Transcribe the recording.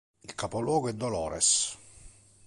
Il capoluogo è Dolores.